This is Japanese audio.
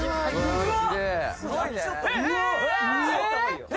うわ！